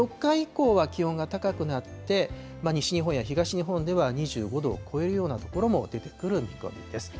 ４日以降は気温が高くなって、西日本や東日本では、２５度を超えるような所も出てくる見込みです。